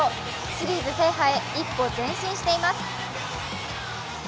シリーズ制覇へ一歩前進しています。